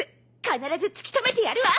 必ず突き止めてやるわ。